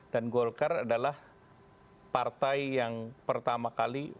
dan golkar adalah partai yang pertama kali